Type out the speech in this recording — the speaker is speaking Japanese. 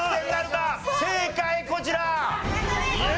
正解こちら！